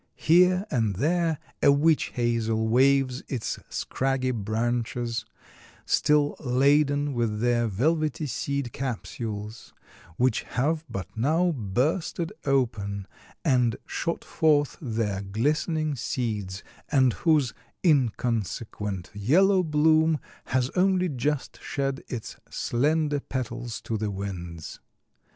Here and there a witch hazel waves its scraggy branches, still laden with their velvety seed capsules, which have but now bursted open and shot forth their glistening seeds, and whose inconsequent yellow bloom has only just shed its slender petals to the winds.